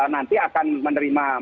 nanti akan menerima